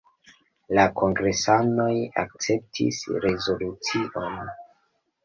La kongresanoj akceptis rezolucion.